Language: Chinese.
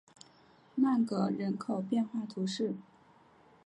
曼戈人口变化图示